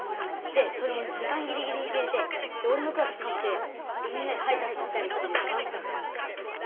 でそれも時間ギリギリにきめておれのクラスかってみんなでハイタッチしたりしてね楽しかったよ。